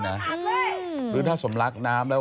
หรือถ้าสมลักน้ำแล้ว